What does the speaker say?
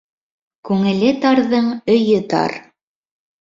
Күңеле тарҙың өйө тар.